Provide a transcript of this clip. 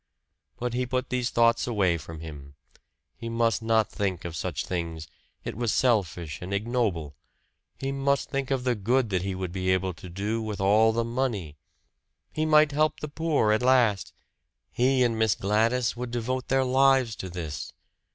But he put these thoughts away from him. He must not think of such things it was selfish and ignoble. He must think of the good that he would be able to do with all the money. He might help the poor at last. He and Miss Gladys would devote their lives to this.